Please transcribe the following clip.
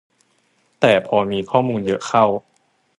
แต่พอมีข้อมูลเยอะเข้า